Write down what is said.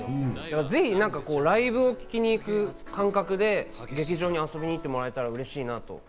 ぜひ、ライブを聴きに行く感覚で劇場に遊びに行ってもらえたら嬉しいなと。